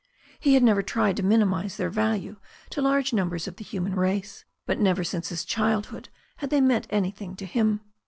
He had never tried to minimize their value to large numbers of the human race, but never since his childhood had they meant anything to him.